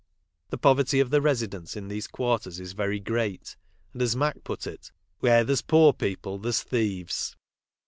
The poverty of the residents in these quarters is very great, and as Mac put it, "Where there's poor people there's thieves."